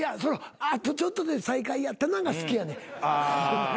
あとちょっとで最下位やったなが好きやねん。